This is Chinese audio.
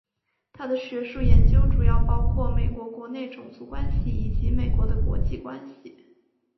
他的学术研究主要包括美国国内种族关系以及美国的国际关系。